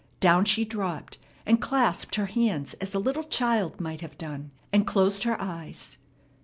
Down she dropped, and clasped her hands as a little child might have done, and closed her eyes.